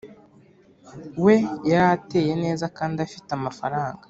we yari ateye neza kandi afite amafaranga